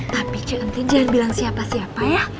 tapi ce nanti jangan bilang siapa siapa ya